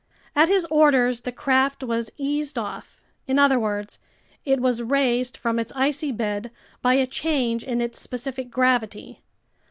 At his orders the craft was eased off, in other words, it was raised from its icy bed by a change in its specific gravity.